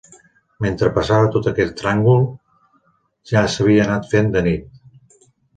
Mentre passava tot aquest tràngol ja s'havia anat fent de nit